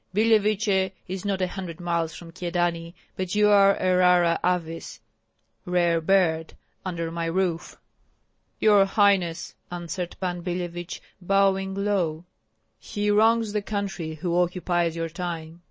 Billeviche is not a hundred miles from Kyedani, but you are a rara avis (rare bird) under my roof." "Your highness," answered Pan Billevich, bowing low, "he wrongs the country who occupies your time."